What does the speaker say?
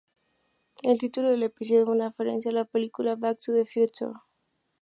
El título del episodio es una referencia a la película "Back to the Future".